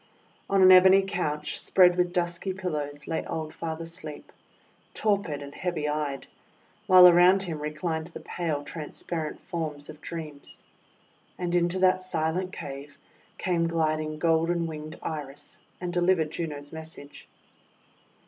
On an ebony couch spread with dusky pillows lay old Father Sleep, torpid and heavy eyed; while around him reclined the pale, transparent forms of Dreams. And into that silent cave came gliding golden winged Iris, and delivered Juno's message.